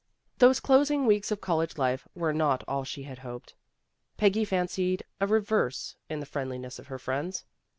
Those closing weeks of college life were not all she had hoped. Peggy fancied a reserve in the friendliness of her friends.